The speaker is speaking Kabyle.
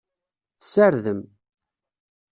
Tessardem.